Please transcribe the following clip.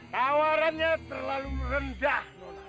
tawarannya terlalu rendah